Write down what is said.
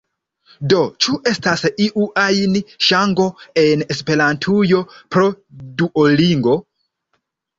Do, ĉu estas iu ajn ŝanĝo en Esperantujo pro Duolingo?